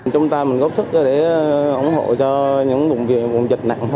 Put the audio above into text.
chúng ta mình góp sức để ủng hộ cho những dịch nặng